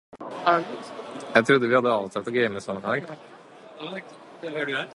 Jeg trodde vi hadde avtalt å game sammen i dag.